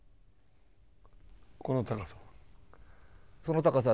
この高さは。